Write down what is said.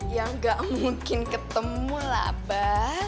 ya gak mungkin ketemu lah abah